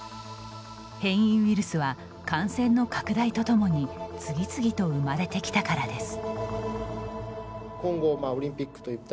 変異ウイルスは感染の拡大とともに次々と生まれてきたからです。